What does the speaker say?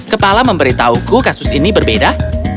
kepala memberitahuku kasus ini berbeda